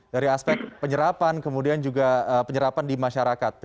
dari aspek penyerapan kemudian juga penyerapan di masyarakat